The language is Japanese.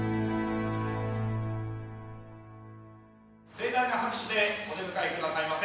盛大な拍手でお出迎えくださいませ。